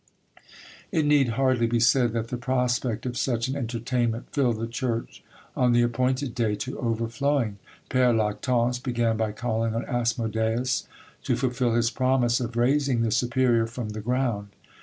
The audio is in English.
It need hardly be said that the prospect of such an entertainment filled the church on the appointed day to overflowing. Pere Lactance began by calling on Asmodeus to fulfil his promise of raising the superior from the ground.